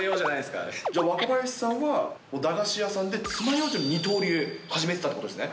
若林さんは駄菓子屋さんでつまようじの二刀流を始めてたってことですね？